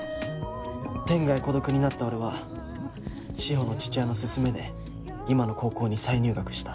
天涯孤独になった俺は志法の父親の勧めで今の高校に再入学した。